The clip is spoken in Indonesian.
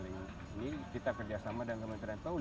ini kita kerjasama dengan kementerian keuangan